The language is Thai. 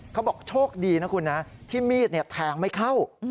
เขาบอกโชคดีนะคุณนะที่มีดแทงไม่เข้า